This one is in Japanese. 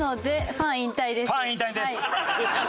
ファン引退です。